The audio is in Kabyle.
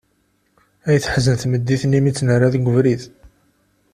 Ay teḥzen tmeddit-nni mi tt-nerra deg ubrid!